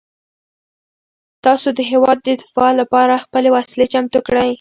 تاسو د هیواد د دفاع لپاره خپلې وسلې چمتو کړئ.